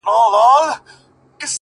مړ مه سې!! د بل ژوند د باب وخت ته!!